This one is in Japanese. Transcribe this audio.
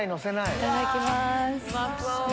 いただきます。